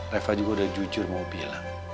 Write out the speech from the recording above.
reva juga udah jujur mau bilang